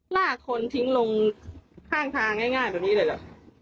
ลากคนทิ้งลงข้างทางง่ายแบบนี้เลยล่ะ